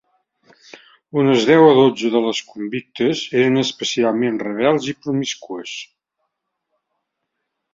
Unes deu o dotze de les convictes eren especialment rebels i promíscues.